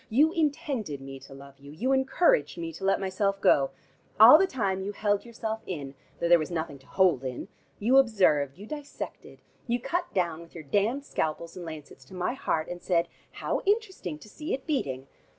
"You intended me to love you; you encouraged me to let myself go. All the time you held yourself in, though there was nothing to hold in; you observed, you dissected. You cut down with your damned scalpels and lancets to my heart, and said, 'How interesting to see it beating!'